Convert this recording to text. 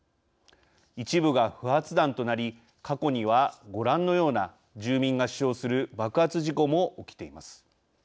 一部が不発弾となり過去には、ご覧のような住民が死傷する爆発事故も起きています。